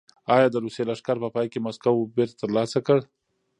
ایا د روسیې لښکر په پای کې مسکو بېرته ترلاسه کړ؟